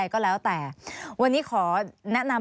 มีความรู้สึกว่ามีความรู้สึกว่า